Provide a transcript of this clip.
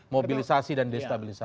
mobilisasi dan destabilisasi